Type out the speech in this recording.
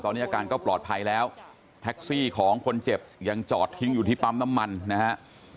ตอนนี้อาการก็ปลอดภัยแล้วแท็กซี่ของคนเจ็บยังจอดทิ้งอยู่ที่ปั๊มน้ำมันนะฮะ